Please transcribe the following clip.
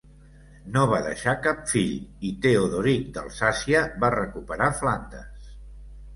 No va deixar cap fill i Teodoric d'Alsàcia va recuperar Flandes.